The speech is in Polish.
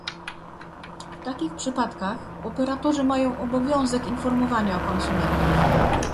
W takich przypadkach, operatorzy mają obowiązek informowania konsumentów